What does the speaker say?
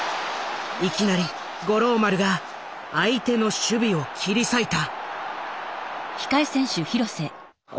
いきなり五郎丸が相手の守備を切り裂いた。